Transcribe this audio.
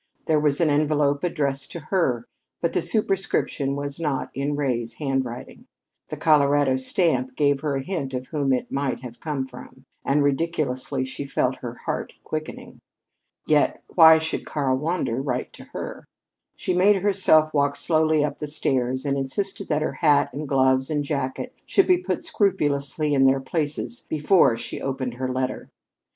There was an envelope addressed to her, but the superscription was not in Ray's handwriting. The Colorado stamp gave her a hint of whom it might have come from, and ridiculously she felt her heart quickening. Yet why should Karl Wander write to her? She made herself walk slowly up the stairs, and insisted that her hat and gloves and jacket should be put scrupulously in their places before she opened her letter.